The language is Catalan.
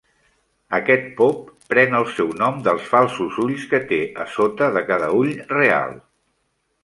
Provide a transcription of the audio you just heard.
Aquest pop pren el seu nom dels falsos ulls que té a sota de cada ull real.